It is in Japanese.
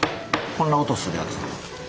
こんな音するやつ。